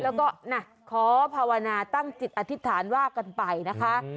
แล้วก็ขอภาวนาตั้งจิตอธิษฐานว่ากันไปนะคะ